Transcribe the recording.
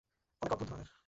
অনেক অদ্ভুত ধরনের।